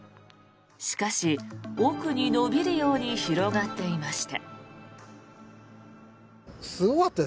しかし、奥に延びるように広がっていました。